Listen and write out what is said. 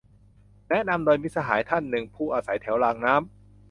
แนะนำโดย มิตรสหายท่านหนึ่ง ผู้อาศัยแถวรางน้ำ